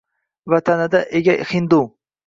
Vatanida ega hindu